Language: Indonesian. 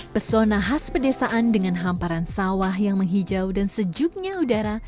pesona khas pedesaan dengan hamparan sawah yang menghijau dan sejuknya udara